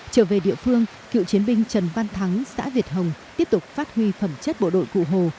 trở về địa phương cựu chiến binh trần văn thắng xã việt hồng tiếp tục phát huy phẩm chất bộ đội cụ hồ